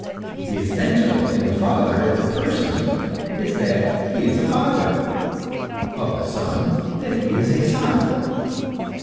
The essential in the Father as a person is that he is a Father, of the Son that he is a Son.